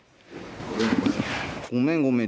ごめん、ごめん。